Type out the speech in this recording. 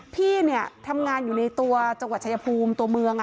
พี่เนี่ยทำงานอยู่ในตัวจังหวัดชายภูมิตัวเมือง